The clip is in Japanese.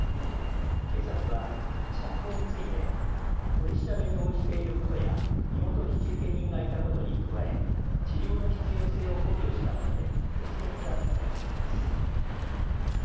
警察は、釈放について取り調べに応じていることや身元引受人がいたことに加え治療の必要性を考慮したもので適切だったとしています。